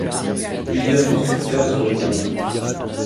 Plusieurs constructeurs se regroupent.